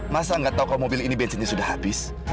masa nggak tahu kok mobil ini bensinnya sudah habis